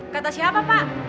kata siapa pak